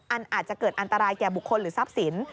อาจจะเกิดอันตรายแก่บุคคลหรือทรัพย์สิน